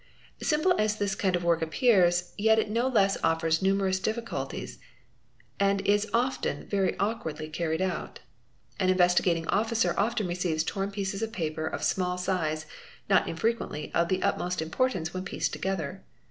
j Simple as this kind of work appears yet it no less offers numerous ' difficulties and is often very awkwardly carried out. An Investigating _ Officer often receives torn pieces of paper of small size, not infrequently _ of the utmost importance when pieced together.